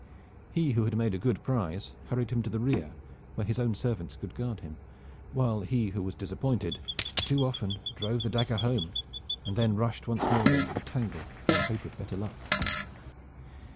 He who had made a good prize hurried him to the rear where his own servants could guard him, while he who was disappointed too often drove the dagger home and then rushed once more into the tangle in the hope of better luck.